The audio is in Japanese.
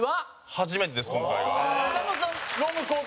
兎：初めてです、今回が。